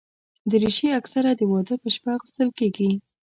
دریشي اکثره د واده پر شپه اغوستل کېږي.